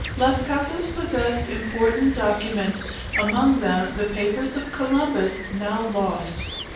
Las Casas possessed important documents, among them the papers of Columbus, now lost.